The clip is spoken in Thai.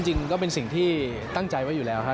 จริงก็เป็นสิ่งที่ตั้งใจไว้อยู่แล้วครับ